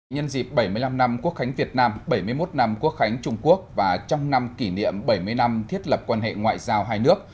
nhân dịp bảy mươi năm năm quốc khánh việt nam bảy mươi một năm quốc khánh trung quốc và trong năm kỷ niệm bảy mươi năm thiết lập quan hệ ngoại giao hai nước